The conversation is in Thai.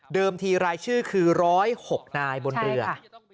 ทีรายชื่อคือ๑๐๖นายบนเรือ